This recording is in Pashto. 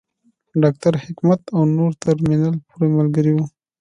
ډاکټر حکمت او نور تر ترمینل پورې ملګري وو.